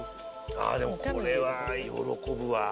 ああでもこれは喜ぶわ。